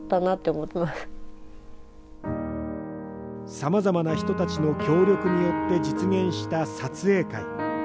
さまざまな人たちの協力によって実現した撮影会。